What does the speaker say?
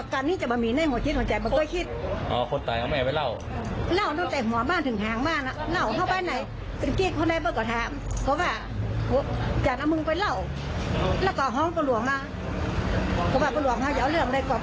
ก็ทำความผิดฐานค่าผู้อื่นโดยไตรตรองไว้ก่อน